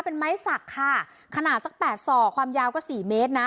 เป็นไม้สักค่ะขนาดสักแปดศอกความยาวก็สี่เมตรนะ